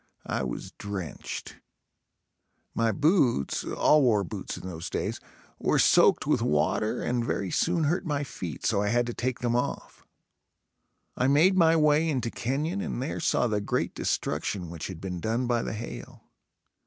I was drenched. My boots, all wore boots in those days, were soaked with water and very soon hurt my feet so I had to take them off. I made my way into Kenyon and there saw the great destruction which had been done by the hail.